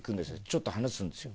ちょっと話するんですよ。